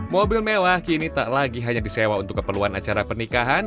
mobil mewah kini tak lagi hanya disewa untuk keperluan acara pernikahan